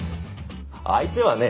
相手はね